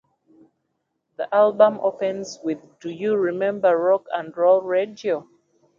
The album opens with Do You Remember Rock 'n' Roll Radio?